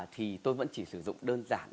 thì tôi vẫn chỉ sử dụng đơn giản